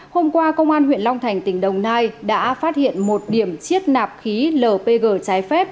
hôm qua công an huyện long thành tỉnh đồng nai đã phát hiện một điểm chiết nạp khí lpg trái phép